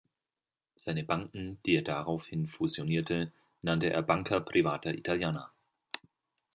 Seine Banken, die er daraufhin fusionierte, nannte er Banca Privata Italiana.